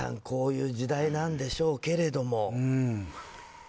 こういう時代なんでしょうけど。